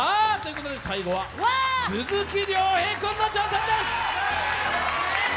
最後は鈴木亮平君の挑戦です！